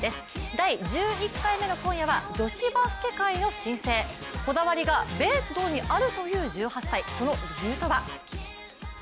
第１１回目の今夜は女子バスケ界の新星、こだわりがベッドにあるという１８歳、その理由とは。